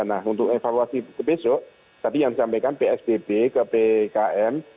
nah untuk evaluasi ke besok tadi yang saya sampaikan psbb ke bkn